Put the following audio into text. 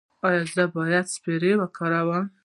ایا زه باید سپری وکاروم؟